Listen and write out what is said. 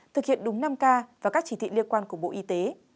thực hiện đúng năm k và các chỉ thị liên quan của bộ y tế